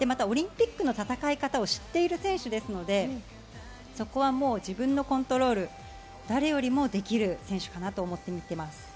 オリンピックの戦い方を知っている選手ですので、そこは自分のコントロールを誰よりもできる選手かなと思って見ています。